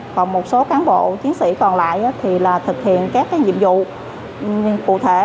còn một số cán bộ chiến sĩ còn lại thì thực hiện các nhiệm vụ cụ thể